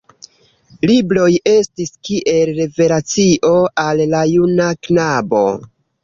Libroj estis kiel revelacio al la juna knabo.